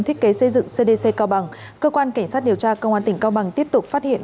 thiết kế xây dựng cdc cao bằng cơ quan cảnh sát điều tra công an tỉnh cao bằng tiếp tục phát hiện